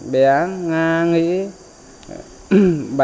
bé nga nghĩ bà